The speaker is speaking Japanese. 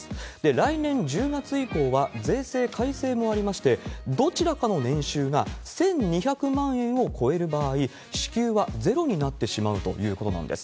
来年１０月以降は税制改正もありまして、どちらかの年収が１２００万円を超える場合、支給はゼロになってしまうということなんです。